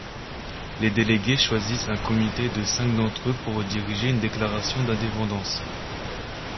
Les délégués choisissent un comité de cinq d'entre eux pour rédiger une déclaration d'indépendance.